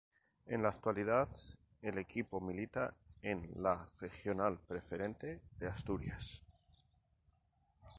En la actualidad el equipo milita en la Regional Preferente de Asturias.